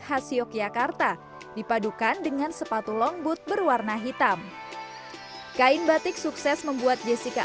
khas yogyakarta dipadukan dengan sepatu longboot berwarna hitam kain batik sukses membuat jessica